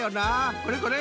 これこれ。